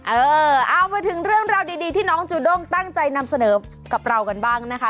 เออเอามาถึงเรื่องราวดีที่น้องจูด้งตั้งใจนำเสนอกับเรากันบ้างนะคะ